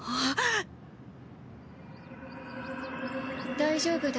大丈夫だ。